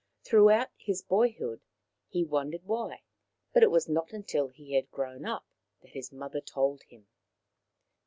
Throughout his boyhood he wondered why, but it was not till he had grown up that his mother told him.